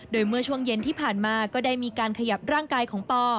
โดยเมื่อช่วงเย็นที่ผ่านมาก็ได้มีการขยับร่างกายของปอ